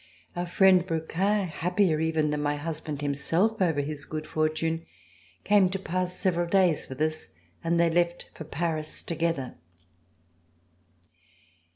Our friend, Brouquens, happier even than m.y husband himself over his good fortune, came to pass several days with us, and they left for Paris together.